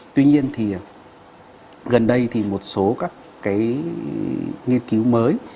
tuy nhiên thì gần đây thì một số các cái nghiên cứu mới